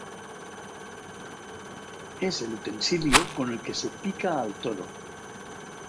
Es el utensilio con el que se pica al toro.